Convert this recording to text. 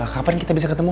kapan kita bisa ketemu